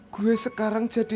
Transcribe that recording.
gue sekarang jatuh sakit